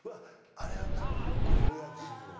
あれは多分これはレアチーズやろ。